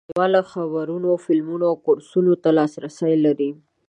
خلک اوس نړیوالو خبرونو، فلمونو او کورسونو ته لاسرسی لري.